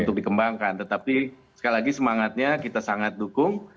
untuk dikembangkan tetapi sekali lagi semangatnya kita sangat dukung